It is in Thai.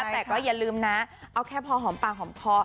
แต่ก็อย่าลืมนะเอาแค่พอหอมปากหอมคอ